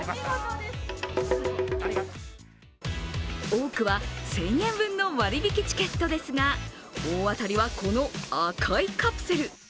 多くは１０００円分の割引チケットですが大当たりは、この赤いカプセル。